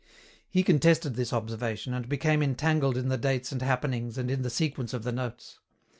He contested this observation, and became entangled in the dates and happenings and in the sequence of the notes.